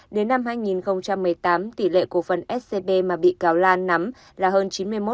đến năm hai nghìn một mươi tám tỷ lệ cổ phần scb mà bị cáo lan nắm là hơn chín mươi một